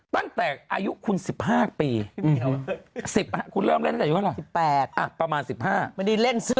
ตั้งแต่อายุคุณ๑๕ปี